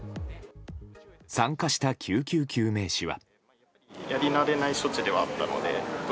参加した救急救命士は。